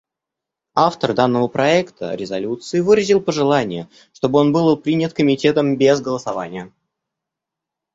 Автор данного проекта резолюции выразил пожелание, чтобы он был принят Комитетом без голосования.